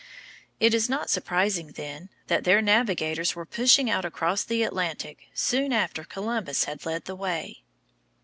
It is not surprising, then, that their navigators were pushing out across the Atlantic soon after Columbus had led the way.